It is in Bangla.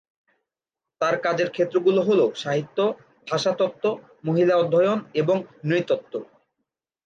তার কাজের ক্ষেত্রগুলো হল: সাহিত্য, ভাষাতত্ত্ব, মহিলা অধ্যয়ন এবং নৃতত্ত্ব।